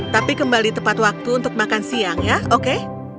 tapi kembali tepat waktu untuk makan siang ya oke